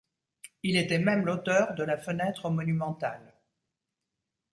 Il était même l’auteur de la fenêtre monumentale.